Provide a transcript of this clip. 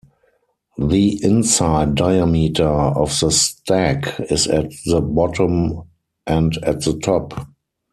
The inside diameter of the stack is at the bottom and at the top.